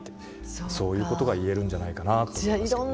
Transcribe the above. そういうことが言えるんじゃないかなと思いますけどね。